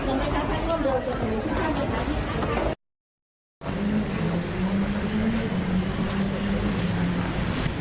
ส่งผัทที่จะตกชื่อชั้นเสนอชื่อชั้นเป็นนายลูก